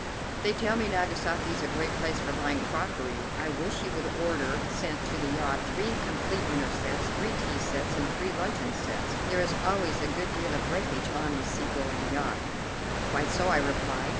"They tell me Nagasaki is a great place for buying crockery. I wish you would order sent to the yacht three complete dinner sets, three tea sets, and three luncheon sets. There is always a good deal of breakage on a sea going yacht." "Quite so," I replied.